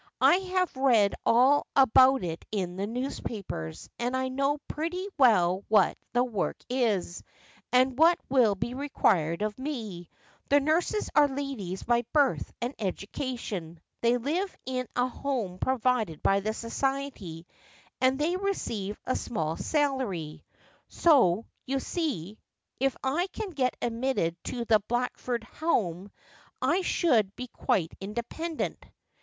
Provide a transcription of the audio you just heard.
I have read all about it in the newspapers, and I know pretty well what the work is, and what will be required of me. The nurses are ladies by birth and education. They live in a hom« provided by the society, and they receive a small salary. So, you see, if I can get admitted to the Blackford Home, I shall be quite independent.'